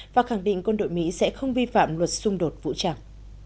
và khẳng định quân đội mỹ sẽ không vi phạm luật xung đột vũ trang